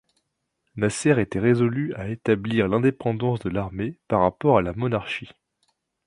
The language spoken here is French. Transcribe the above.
Nasser était résolu à établir l'indépendance de l'armée par rapport à la monarchie.